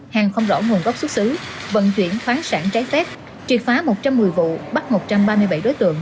hàng không rõ nguồn gốc xuất xứ vận chuyển khoáng sản trái phép triệt phá một trăm một mươi vụ bắt một trăm ba mươi bảy đối tượng